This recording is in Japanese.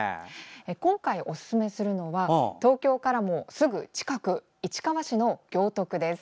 今回おすすめするのは東京からもすぐ近く市川市の行徳です。